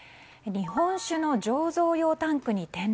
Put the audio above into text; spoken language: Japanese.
日本酒の醸造用タンクに転落。